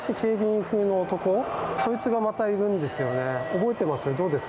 覚えてます？